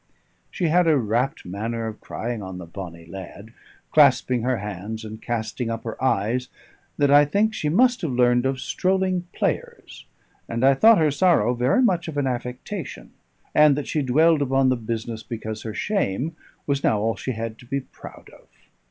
She had a rapt manner of crying on the bonny lad, clasping her hands and casting up her eyes, that I think she must have learned of strolling players; and I thought her sorrow very much of an affectation, and that she dwelled upon the business because her shame was now all she had to be proud of.